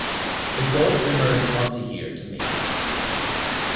Adults emerge once a year to mate.